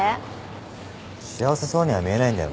幸せそうには見えないんだよな。